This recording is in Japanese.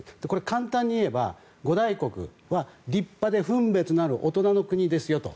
簡単に言えば五大国は立派で分別のある大人の国ですよと。